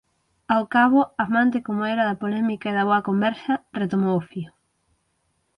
Ao cabo, amante como era da polémica e da boa conversa, retomou o fío.